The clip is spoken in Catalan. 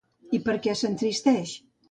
I per què s'entristeix?